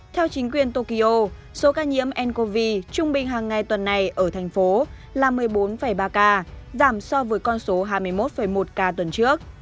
theo chính quyền tokyo số ca nhiễm ncov trung bình hàng ngày tuần này ở thành phố là một mươi bốn ba ca giảm so với con số hai mươi một một ca tuần trước